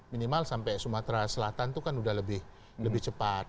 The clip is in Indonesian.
minimal sampai sumatera selatan itu kan udah lebih cepat